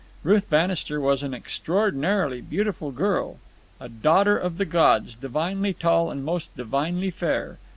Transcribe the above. Ruth Bannister was an extraordinarily beautiful girl, "a daughter of the gods, divinely tall, and most divinely fair."